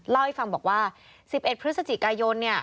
เล่าให้ฟังบอกว่า๑๑พฤศจิกายน